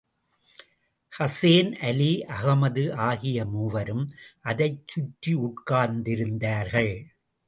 ஹசேன், அலி, அகமது ஆகிய மூவரும் அதைச்சுற்றியுட்கார்ந்திருந்தார்கள்.